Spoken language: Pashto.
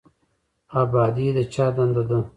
ابادي د چا دنده ده؟